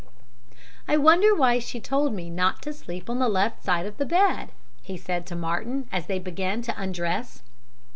"'I wonder why she told me not to sleep on the left side of the bed?' he said to Martin, as they began to undress.